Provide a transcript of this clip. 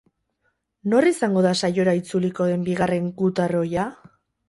Nor izango da saiora itzuliko den bigarren gutar ohia?